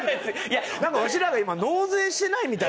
なんかわしらが今納税してないみたい。